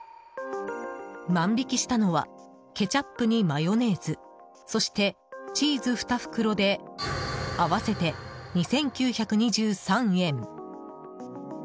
万引きしたのはケチャップにマヨネーズそしてチーズ２袋で合わせて２９２３円。